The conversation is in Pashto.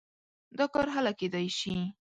دا کار هله کېدای شي.